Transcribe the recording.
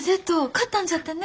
勝ったんじゃてね。